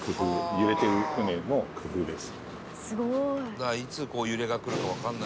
揺れてる船の工夫です。